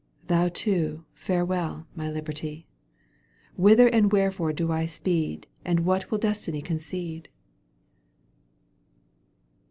Thou too farewell, my liberty ! Whither and wherefore do I speed And what will Destiny concede?"